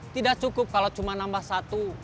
tidak cukup kalau cuma nambah satu